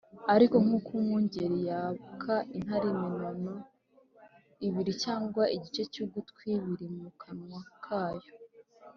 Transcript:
ariko nk’uko umwungeri yaka intare iminono ibiri cyangwa igice cy’ugutwi biri mu kanwa kayo